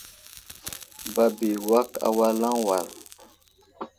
Babo i awak awalaŋ wal.